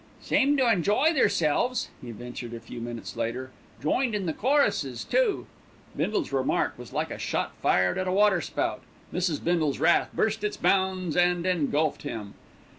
"Seemed to enjoy theirselves," he ventured a few minutes later. "Joined in the choruses too." Bindle's remark was like a shot fired at a waterspout, Mrs. Bindle's wrath burst its bounds and engulfed him.